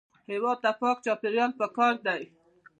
هېواد ته پاک چاپېریال پکار دی